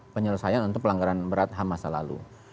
penyelesaian untuk pelanggaran berat ham masa lalu